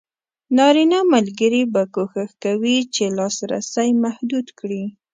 نارینه ملګري به کوښښ کوي چې لاسرسی محدود کړي.